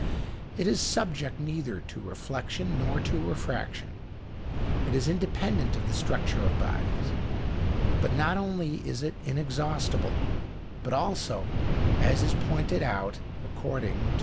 It is subject neither to reflection nor to refraction; it is independent of the structure of bodies; and not only is it inexhaustible, but also (as is pointed out, according to M.